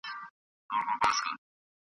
او «بې تاریخه» ټولنو په توګه معرفي کړي